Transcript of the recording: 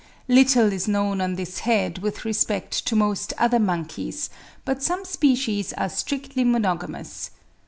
108.) Little is known on this head with respect to most other monkeys, but some species are strictly monogamous.